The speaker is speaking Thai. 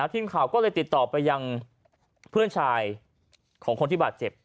ทีมข่าวก็เลยติดต่อไปยังเพื่อนชายของคนที่บาดเจ็บ